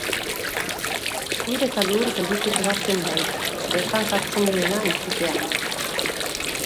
Zur eta lur geldituko da zenbait, bertan jartzen duena entzutean.